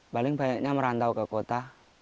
paling banyaknya merantau ke kota